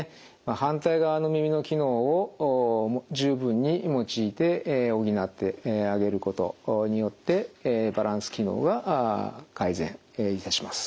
反対側の耳の機能を十分に用いて補ってあげることによってバランス機能が改善いたします。